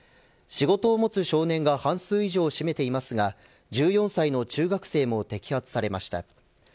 仕事を持つ少年が半数以上を占めていますが１４歳の中学生も摘発されました